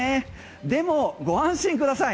でもご安心ください。